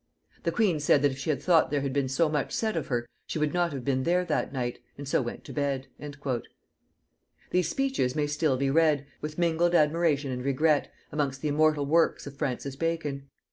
The queen said that if she had thought there had been so much said of her, she would not have been there that night; and so went to bed." These speeches may still be read, with mingled admiration and regret, amongst the immortal works of Francis Bacon.